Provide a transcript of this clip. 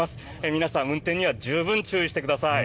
皆さん、運転には十分注意してください。